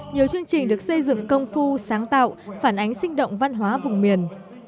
nhiều chương trình được xây dựng công phu sáng tạo phản ánh sinh động văn hóa vùng miền